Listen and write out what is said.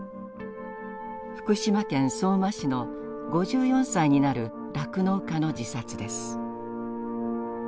福島県相馬市の５４歳になる酪農家の自殺です。